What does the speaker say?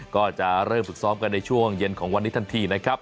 ก็จะเริ่มฝึกซ้อมกันในช่วงเย็นของวันนี้ทันทีนะครับ